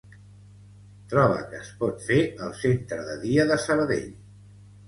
Troba què es pot fer al centre de dia de Sabadell.